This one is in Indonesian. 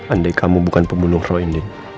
andai kamu bukan pembunuh roy ini